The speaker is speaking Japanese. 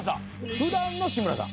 普段の志村さん。